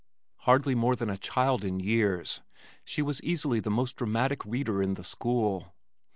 Hardly more than a child in years, she was easily the most dramatic reader in the school.